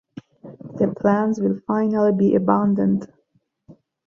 The plans will finally be abandoned.